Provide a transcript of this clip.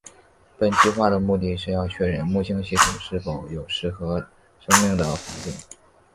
本计画的目的是要确认木星系统是否有适合生命的环境。